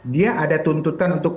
dia ada tuntutan untuk